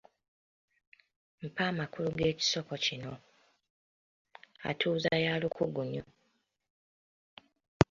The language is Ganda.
Mpa amakulu g’ekisoko kino: Atuzza ya lukugunyu.